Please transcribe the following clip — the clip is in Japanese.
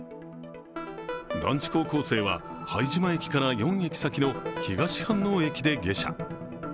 男子高校生は拝島駅から４駅先の東飯能駅で下車。